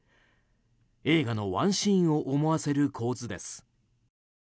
映画のワンシーンを思わせる構図です。